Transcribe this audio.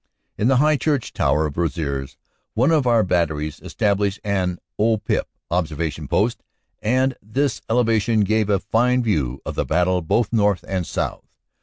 In the high church tower of Rosieres one of our Batteries established an "O Pip" (Observation Post), and this elevation gave a fine view of the battle both north and south.